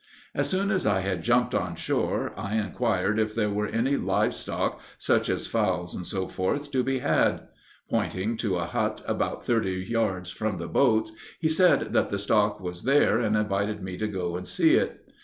As soon as I had jumped on shore, I inquired if there were any live stock, such as fowls, &c., to be had. Pointing to a hut about thirty yards from the boats, he said that the stock was there, and invited me to go and see it.